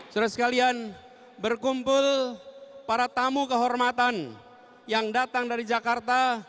saudara sekalian berkumpul para tamu kehormatan yang datang dari jakarta